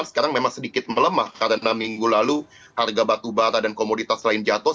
sekarang memang sedikit melemah karena minggu lalu harga batubara dan komoditas lain jatuh